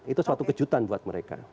itu suatu kejutan buat mereka